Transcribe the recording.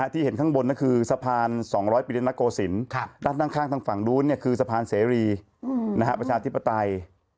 ที่เห็นข้างบนก็คือสะพาน๒๐๐ปีนโกศิลป์ด้านข้างทางฝั่งนู้นคือสะพานเสรีประชาธิปไตย